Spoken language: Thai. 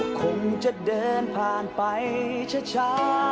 คงจะเดินผ่านไปช้า